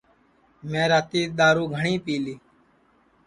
میں راتی دؔارُو گھٹؔی پی لی